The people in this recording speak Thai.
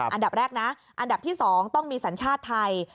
อันดับแรกนะอันดับที่๒ต้องมีสัญชาติไทย